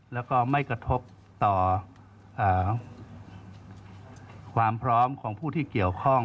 แล้วก็ไม่กระทบต่อความพร้อมของผู้ที่เกี่ยวข้อง